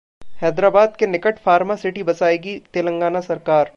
हैदराबाद के निकट pharma city बसाएगी तेलंगाना सरकार